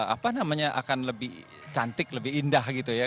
apa namanya akan lebih cantik lebih indah gitu ya